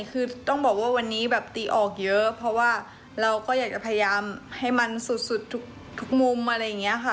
คือต้องบอกว่าวันนี้แบบตีออกเยอะเพราะว่าเราก็อยากจะพยายามให้มันสุดทุกมุมอะไรอย่างนี้ค่ะ